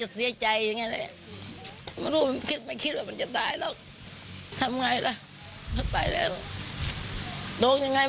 จริงคนน่าจะมีพลาดก็พลาดอย่างนี้นะเนาะ